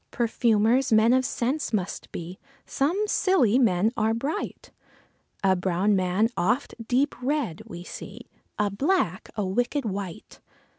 Perfumers, men of scents must be, some Scilly men are bright; A brown man oft deep read we see, a black a wicked wight.